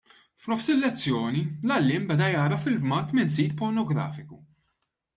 F'nofs il-lezzjoni, l-għalliem beda jara filmat minn sit pornografiku.